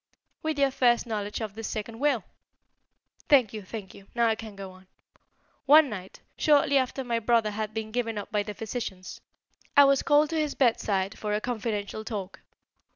"With your first knowledge of this second will." "Thank you, thank you; now I can go on. One night, shortly after my brother had been given up by the physicians, I was called to his bedside for a confidential talk.